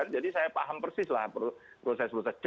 jadi saya paham persis proses prosesnya